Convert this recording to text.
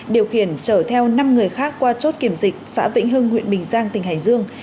điều khiển chở theo năm người khác qua chốt kiểm dịch xã vĩnh hưng huyện bình giang tỉnh hải dương